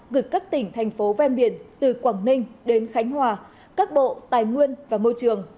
gửi các tỉnh thành phố ven biển từ quảng ninh đến khánh hòa các bộ tài nguyên và môi trường